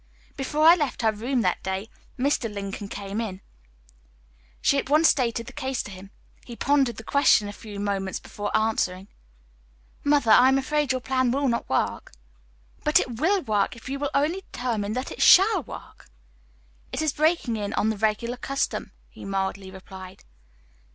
Before I left her room that day, Mr. Lincoln came in. She at once stated the case to him. He pondered the question a few moments before answering. "Mother, I am afraid your plan will not work." "But it will work, if you will only determine that it shall work." "It is breaking in on the regular custom," he mildly replied.